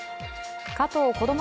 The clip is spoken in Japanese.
加藤こども